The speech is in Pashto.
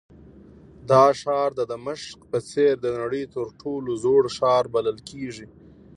دا ښار د دمشق په څېر د نړۍ تر ټولو زوړ ښار بلل کېږي.